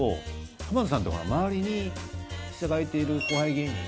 浜田さんってほら周りに従えている後輩芸人